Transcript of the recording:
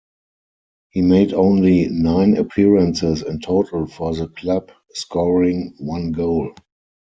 He made only nine appearances in total for the club, scoring one goal.